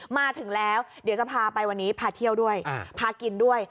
มาถึงแล้วเดี๋ยวจะพาไปวันนี้พาเที่ยวด้วยพากินด้วย